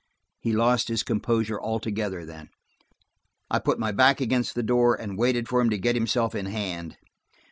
He lost his composure altogether then. I put my back against the door and waited for him to get himself in hand.